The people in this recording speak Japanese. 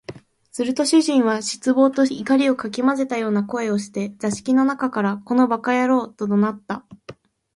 すると主人は失望と怒りを掻き交ぜたような声をして、座敷の中から「この馬鹿野郎」と怒鳴った